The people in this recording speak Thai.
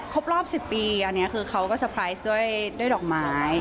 ครบรอบ๑๐ปีอันนี้คือเขาก็เตอร์ไพรส์ด้วยดอกไม้